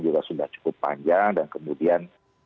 juga sudah cukup panjang dan kemudian